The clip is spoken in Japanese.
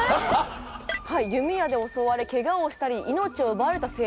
はい弓矢で襲われけがをしたり命を奪われた青年も。